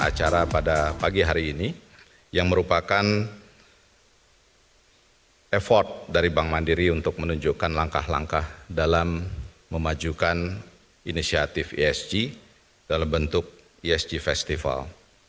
acara pada pagi hari ini yang merupakan effort dari bank mandiri untuk menunjukkan langkah langkah dalam memajukan inisiatif esg dalam bentuk esg festival